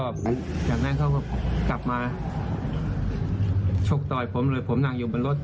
หลังจากนั้นเขาก็กลับมาชกต่อยผมเลยผมนั่งอยู่บนรถ